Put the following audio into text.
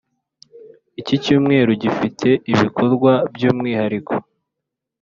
Iki cyumweru gifite ibikorwa by’umwihariko